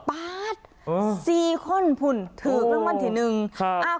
ปาดเออสี่คนผุ่นถูกรางวัลที่หนึ่งครับอ่า